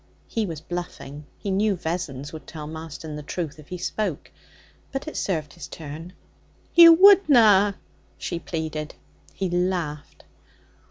He was bluffing. He knew Vessons would tell Marston the truth if he spoke. But it served his turn. 'You wouldna!' she pleaded. He laughed.